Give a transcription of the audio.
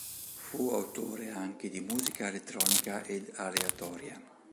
Fu autore anche di musica elettronica ed aleatoria.